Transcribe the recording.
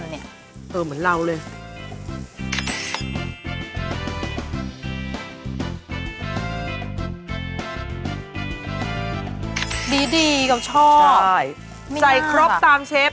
สองพร้อมไหมเชฟ